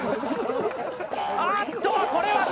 あっとこれは。